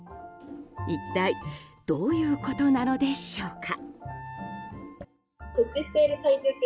一体どういうことなのでしょうか。